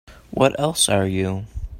What else are you?